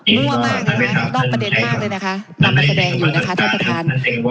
มั่วมากนะคะนอกประเด็นมากเลยนะคะนำมาแสดงอยู่นะคะท่านประธาน